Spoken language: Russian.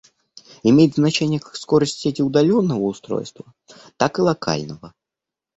Имеет значение как скорость сети удаленного устройства, так и локального